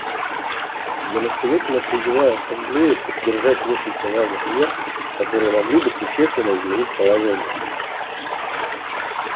Я настоятельно призываю Ассамблею поддержать несколько важных мер, которые могли бы существенно изменить положение.